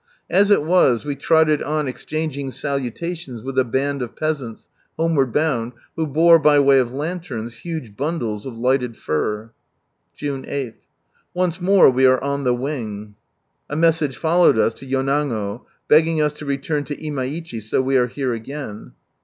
As it was we trotted on exchanging salutations with a band of peasants, homeward bound, who bore, by way of lanterns, huge bundles of lighted fir. Junt 8, — Once more we are on the wing. A message followed us lo Yonago, begging us to return to Imaichi, so we are here again.